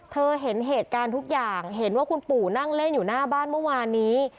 เห็นเหตุการณ์ทุกอย่างเห็นว่าคุณปู่นั่งเล่นอยู่หน้าบ้านเมื่อวานนี้